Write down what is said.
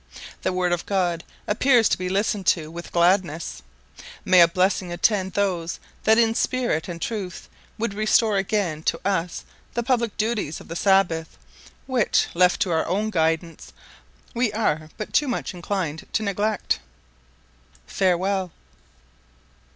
The word of God appears to be listened to with gladness. May a blessing attend those that in spirit and in truth would restore again to us the public duties of the Sabbath, which, left to our own guidance, we are but too much inclined to neglect. Farewell.